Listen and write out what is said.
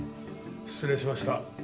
失礼しました。